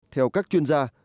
theo các chuyên gia